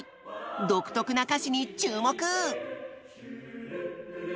独特な歌詞に注目！